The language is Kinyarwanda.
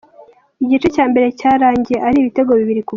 Igice cya mbere cyarangiye ari ibitego bibiri ku busa.